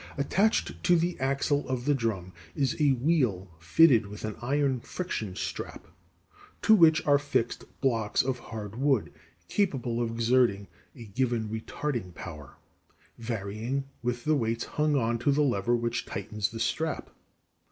Attached to the axle of the drum is a wheel fitted with an iron friction strap (to which are fixed blocks of hard wood) capable of exerting a given retarding power, varying with the weights hung on to the lever which tightens the strap.